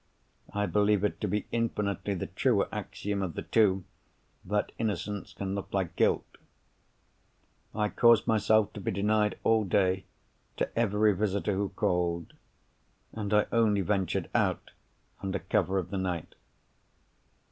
I believe it to be infinitely the truer axiom of the two that innocence can look like guilt. I caused myself to be denied all day, to every visitor who called; and I only ventured out under cover of the night.